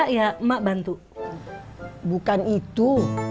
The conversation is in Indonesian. ya emak bantu bukan itu